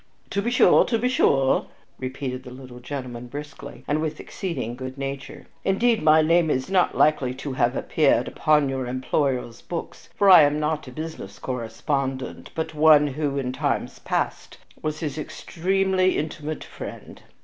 "To be sure! To be sure!" repeated the little gentleman, briskly, and with exceeding good nature. "Indeed, my name is not likely to have ever appeared upon your employer's books, for I am not a business correspondent, but one who, in times past, was his extremely intimate friend.